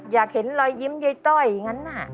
อยากเห็นรอยยิ้มยายต้อยอย่างนั้นน่ะ